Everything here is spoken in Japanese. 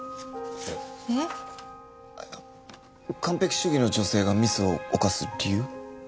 えっ？あっ完璧主義の女性がミスを犯す理由。